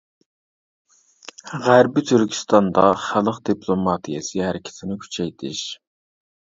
غەربىي تۈركىستاندا خەلق دىپلوماتىيەسى ھەرىكىتىنى كۈچەيتىش.